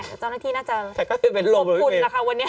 โดยเจ้าหน้าที่น่าจะอบรุ่นละคะวันนี้